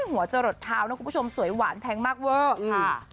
หัวศัลดิ์เท้านะครับคุณผู้ชมสวยหวานแพงมากเบอร์อืมค่ะ